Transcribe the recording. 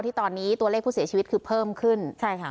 ที่ตอนนี้ตัวเลขผู้เสียชีวิตคือเพิ่มขึ้นใช่ค่ะ